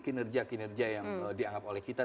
kinerja kinerja yang dianggap oleh kita